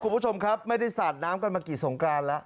คุณผู้ชมครับไม่ได้สาดน้ำกันมากี่สงกรานแล้ว